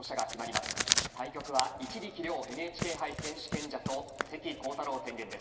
対局は一力遼ＮＨＫ杯選手権者と関航太郎天元です。